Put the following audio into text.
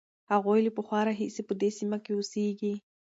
هغوی له پخوا راهیسې په دې سیمه کې اوسېږي.